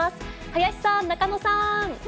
林さん、仲野さん。